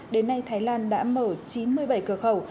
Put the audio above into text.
đến nay thái lan đã mở chín mươi bảy cửa khẩu